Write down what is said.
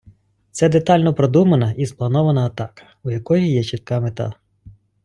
Це детально продумана і спланована атака, у якої є чітка мета.